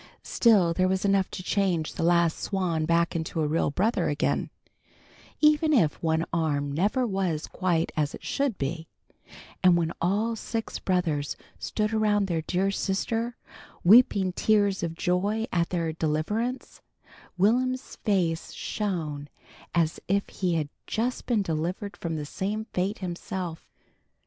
Still there was enough to change the last swan back into a real brother again, even if one arm never was quite as it should be; and when all six brothers stood around their dear sister, weeping tears of joy at their deliverance, Will'm's face shone as if he had just been delivered from the same fate himself.